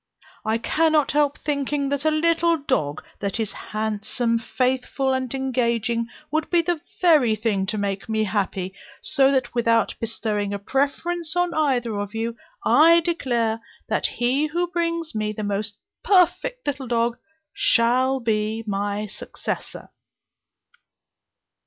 I cannot help thinking, that a little dog, that is handsome, faithful, and engaging, would be the very thing to make me happy; so that without bestowing a preference on either of you, I declare that he who brings me the most perfect little dog shall be my successor."